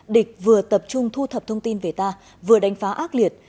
địch vừa tập trung thu thập thông tin về ta vừa đánh phá ác liệt